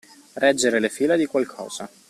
Reggere le fila di qualcosa.